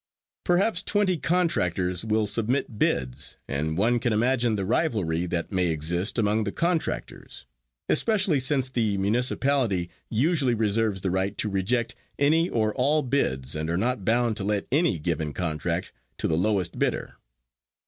Perhaps twenty contractors will submit bids and one can imagine the rivalry that may exist among the contractors, especially since the municipality usually reserves the right to reject any or all bids and are not bound to let any given contract to the lowest bidder.